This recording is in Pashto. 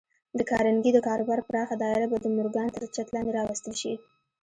د کارنګي د کاروبار پراخه دايره به د مورګان تر چت لاندې راوستل شي.